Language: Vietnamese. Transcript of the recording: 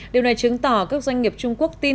điều này chứng tỏ các doanh nghiệp trung quốc tin